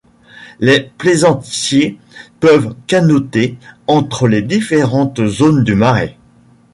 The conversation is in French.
Les plaisanciers peuvent canoter entre les différentes zones du marais.